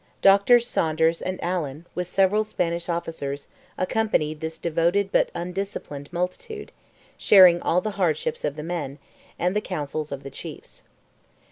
Drs. Saunders and Allen, with several Spanish officers, accompanied this devoted but undisciplined multitude, sharing all the hardships of the men, and the counsels of the chiefs.